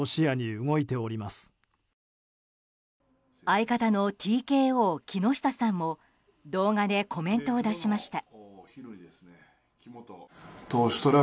相方のＴＫＯ木下さんも動画でコメントを出しました。